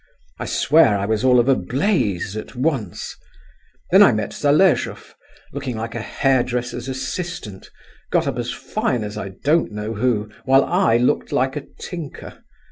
I swear I was all of a blaze at once. Then I met Zaleshoff—looking like a hair dresser's assistant, got up as fine as I don't know who, while I looked like a tinker.